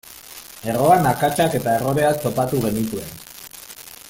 Erroan akatsak eta erroreak topatu genituen.